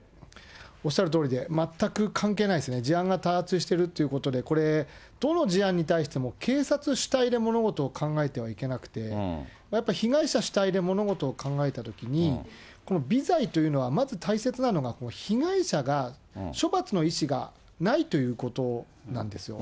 おっしゃるとおりで、全く関係ないですね、事案が多発してるっていうことで、これ、どの事案に対しても、警察主体で物事を考えてはいけなくて、やっぱり被害者主体で物事を考えたときに、この微罪というのは、まず大切なのが被害者が処罰の意思がないということなんですよ。